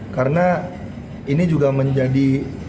karena ini juga menjadi